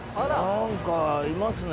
なんかいますね。